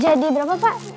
jadi berapa pak